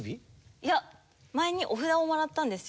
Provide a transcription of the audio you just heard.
いや前にお札をもらったんですよ